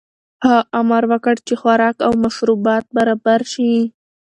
هغه امر وکړ چې خوراک او مشروبات برابر شي.